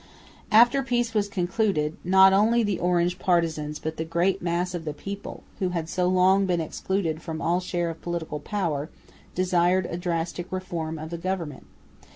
After peace was concluded, not only the Orange partisans but the great mass of the people, who had so long been excluded from all share of political power, desired a drastic reform of the government.